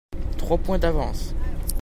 Trois point d'avance.